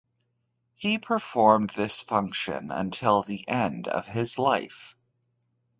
He performed this function until the end of his life.